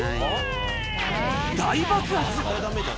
大爆発。